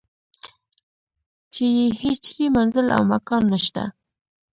چې یې هیچرې منزل او مکان نشته.